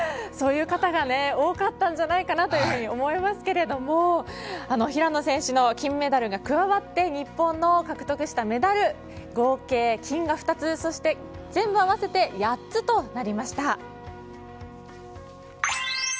そういう方が多かったんじゃないかと思いますが平野選手の金メダルが加わって日本の獲得したメダル合計、金が２つ全部合わせて８つとなりました。